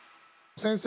先生